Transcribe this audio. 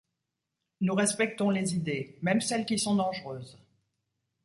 Nous respectons les idées, même celles qui sont dangereuses.